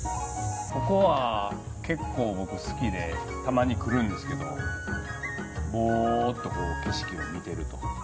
ここは結構僕好きでたまに来るんですけどぼーっと景色を見てると。